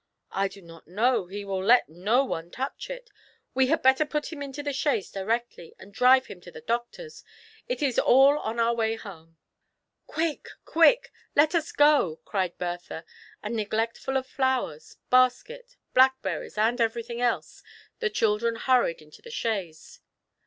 " I do not know — he will let no one touch it We had better put him into the chaise directly, and drive him to the doctor's ; it is all on our way home." 136 THE PLEASURE EXCURSION. " Quick, quick ; let us go 1" cried Bertha; and, neglect ful of flowers, basket, blackberries, and everjrthing else, the children hurried into the chaise.